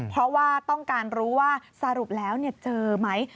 เพราะว่าต้องการรู้ว่าสรุปแล้วเจอไหม